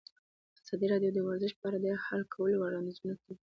ازادي راډیو د ورزش په اړه د حل کولو لپاره وړاندیزونه کړي.